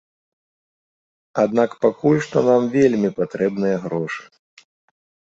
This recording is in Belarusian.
Аднак пакуль што нам вельмі патрэбныя грошы.